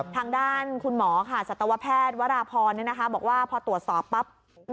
ทางด้านคุณหมอค่ะสัตวแพทย์วราพรบอกว่าพอตรวจสอบปั๊บ